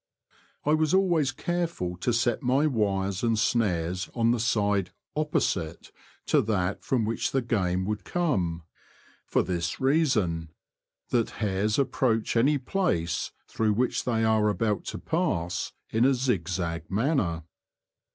I was always careful to set my wires and snares on the side opposite to that from which the game would come, for this reason — that hares approach any place through which they are about to pass in a zig zag manner.